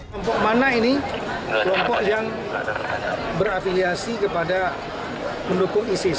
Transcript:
kelompok mana ini kelompok yang berafiliasi kepada mendukung isis